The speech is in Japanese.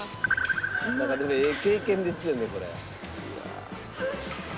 「なんかでもええ経験ですよねこれ」